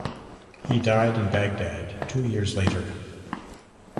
He died in Baghdad two years later.